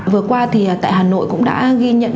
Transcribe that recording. vừa qua thì tại hà nội cũng đã ghi nhận